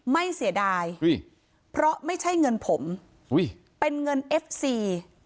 เสียดายเพราะไม่ใช่เงินผมอุ้ยเป็นเงินเอฟซี